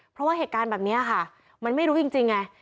เพราะว่าเหตุการณ์แบบนี้ค่ะมันไม่รู้จริงไง